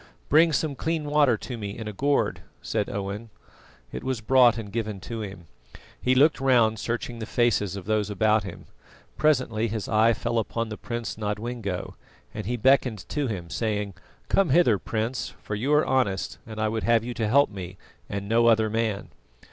"Bring some clean water to me in a gourd," said Owen. It was brought and given to him. He looked round, searching the faces of those about him. Presently his eye fell upon the Prince Nodwengo, and he beckoned to him, saying: "Come hither, Prince, for you are honest, and I would have you to help me, and no other man."